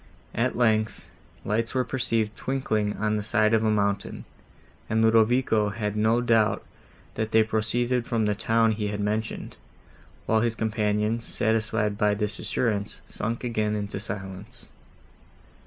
At length, lights were perceived twinkling on the side of a mountain, and Ludovico had no doubt, that they proceeded from the town he had mentioned, while his companions, satisfied by this assurance, sunk again into silence.